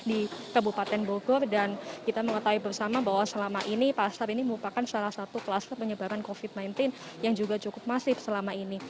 di kabupaten bogor dan kita mengetahui bersama bahwa selama ini pasar ini merupakan salah satu kluster penyebaran covid sembilan belas yang juga cukup masif selama ini